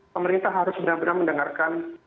pemerintah harus benar benar mendengarkan